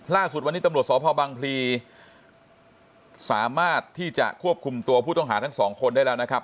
ล่าสุดวันนี้ตำรวจสพบังพลีสามารถที่จะควบคุมตัวผู้ต้องหาทั้งสองคนได้แล้วนะครับ